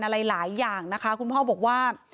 อะไรหลายอย่างนะคะคุณพ่อบอกว่า